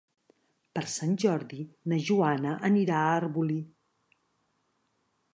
Per Sant Jordi na Joana anirà a Arbolí.